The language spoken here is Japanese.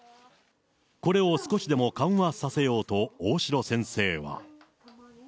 これを少しでも緩和させようと、大城先生は。